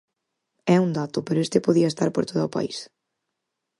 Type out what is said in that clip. É un dato, pero este podía estar por todo o país.